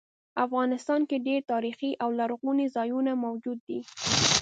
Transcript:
افغانستان کې ډیر تاریخي او لرغوني ځایونه موجود دي